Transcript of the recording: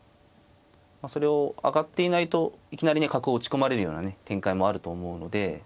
それを上がっていないといきなりね角を打ち込まれるようなね展開もあると思うので。